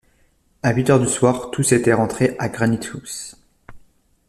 À huit heures du soir, tous étaient rentrés à Granite-house.